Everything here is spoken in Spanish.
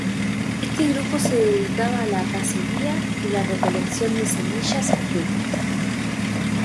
Este grupo se dedicaba a la cacería y la recolección de semillas y frutos.